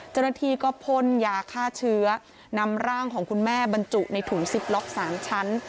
เจ้าหน้าที่ก็พ่นยาฆ่าเชื้อนำร่างของคุณแม่บรรจุในถุงซิปล็อก๓ชั้น